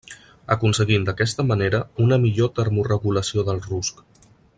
Aconseguint d'aquesta manera una millor termoregulació del rusc.